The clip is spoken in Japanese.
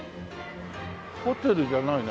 ホテルじゃないな。